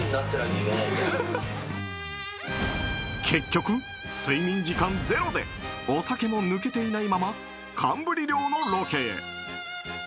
結局、睡眠時間ゼロでお酒もぬけていないまま寒ブリ漁のロケへ。